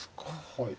はい。